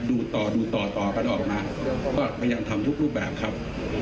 ดูต่อดูต่อต่อกันออกมาก็พยายามทำทุกรูปแบบครับ